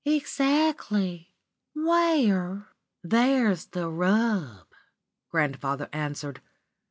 "Exactly. Where? There's the rub," grandfather answered.